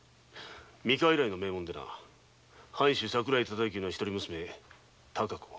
三河以来の名門でな藩主桜井忠幸の一人娘・貴子。